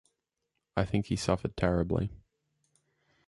I think he suffered terribly.